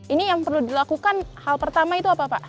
ini yang perlu dilakukan hal pertama itu apa pak